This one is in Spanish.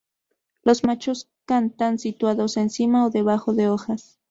Los machos cantan situados encima o debajo de hojas.